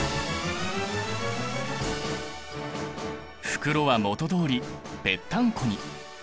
袋は元どおりペッタンコに。